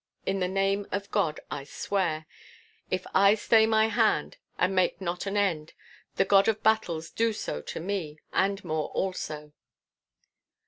In the name of God I swear! If I stay my hand and make not an end, the God of Battles do so to me, and more also!